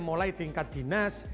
mulai tingkat dinas